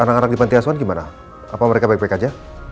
nanti aswan gimana apa mereka baik baik aja